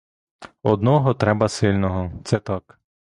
Одного треба сильного, це так.